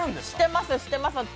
してます、してます。